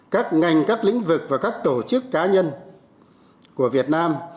các ngành các lĩnh vực và các tổ chức cá nhân của việt nam